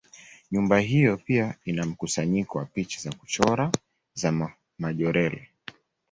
Nyumba hiyo pia ina mkusanyiko wa picha za kuchora za Majorelle.